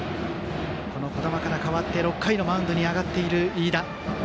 児玉から代わって６回のマウンドに上がった飯田。